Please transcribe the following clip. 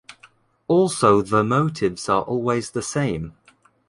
Also the motives are always the same.